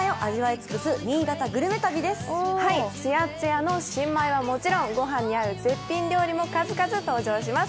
つやつやの新米はもちろん、御飯に合う絶品料理も数々登場します。